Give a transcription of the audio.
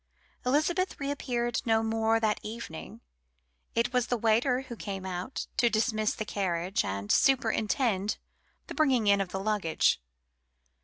Elizabeth reappeared no more that evening. It was the waiter who came out to dismiss the carriage and superintend the bringing in of the luggage.